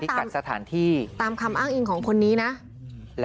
ค่ะถ้าตามคำอ้างอิงของคนนี้นะ